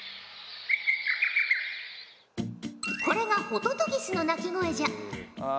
これがホトトギスの鳴き声じゃ。